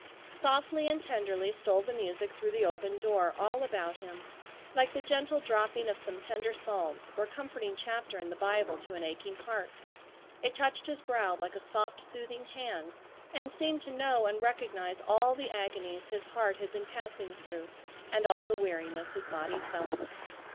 Softly and tenderly stole the music through the open door, all about him, like the gentle dropping of some tender psalms or comforting chapter in the Bible to an aching heart. It touched his brow like a soft soothing hand, and seemed to know and recognize all the agonies his heart had been passing through, and all the weariness his body felt.